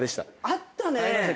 あったね。